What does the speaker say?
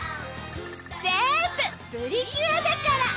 ぜんぶプリキュアだから！